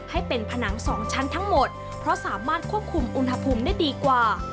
ให้เป็นผนังสองชั้นทั้งหมดเพราะสามารถควบคุมอุณหภูมิได้ดีกว่า